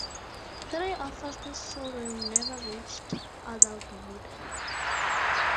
Three of Foster's children never reached adulthood.